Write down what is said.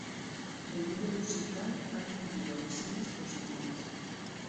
El video musical ha recibido reseñas positivas.